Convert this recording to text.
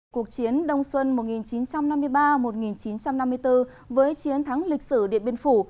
cuộc chiến đông xuân một nghìn chín trăm năm mươi ba một nghìn chín trăm năm mươi bốn với chiến thắng lịch sử điện biên phủ